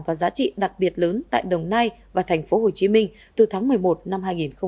và giá trị đặc biệt lớn tại đồng nai và tp hcm từ tháng một mươi một năm hai nghìn hai mươi